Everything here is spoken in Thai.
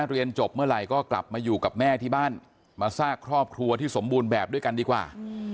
เรียนจบเมื่อไหร่ก็กลับมาอยู่กับแม่ที่บ้านมาสร้างครอบครัวที่สมบูรณ์แบบด้วยกันดีกว่า